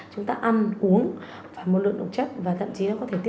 chúng ta ăn uống phải một lượng độc chất và thậm chí nó có thể tăng dần